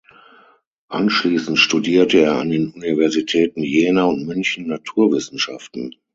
Anschließend studierte er an den Universitäten Jena und München Naturwissenschaften.